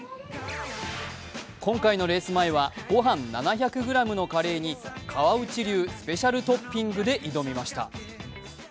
今回のレース前は、ごはん７００ｇのカレーに川内流スペシャルトッピングで挑みました。